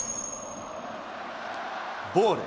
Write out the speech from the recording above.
ボール。